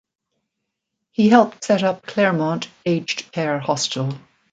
He helped set up 'Claremont' aged care hostel.